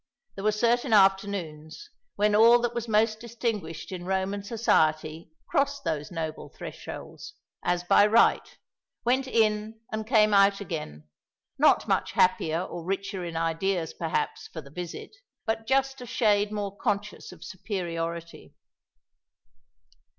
There were certain afternoons when all that was most distinguished in Roman Society crossed those noble thresholds, as by right went in and came out again, not much happier or richer in ideas, perhaps, for the visit, but just a shade more conscious of superiority.